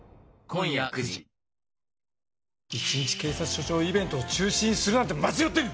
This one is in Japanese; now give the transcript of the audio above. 一日警察署長イベントを中止にするなんて間違ってる！